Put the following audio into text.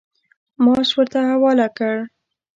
معاش ورته حواله کړ.